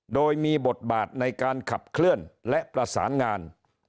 โดยมีบทบาทในการขับเคลื่อนและประสานงาน